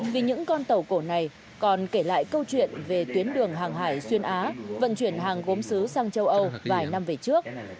vì những con tàu cổ này còn kể lại câu chuyện về tuyến đường hàng hải xuyên á vận chuyển hàng gốm xứ sang châu âu vài năm về trước